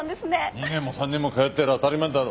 ２年も３年も通ってりゃ当たり前だろ。